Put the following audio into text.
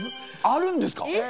あるんですか！？